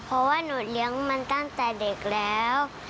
เพราะว่าหนูเลี้ยงมันตั้งแต่เด็กแล้ว